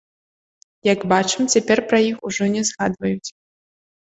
Як бачым, цяпер пра іх ужо не згадваюць.